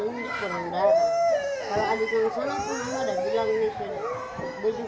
kalau adiknya di sana aku nunggu udah bilang nih sudah